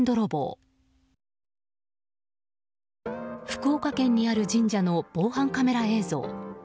福岡県にある神社の防犯カメラ映像。